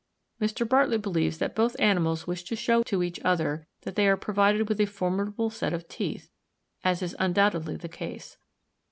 Mr. Bartlett believes that both animals wish to show to each other that they are provided with a formidable set of teeth, as is undoubtedly the case.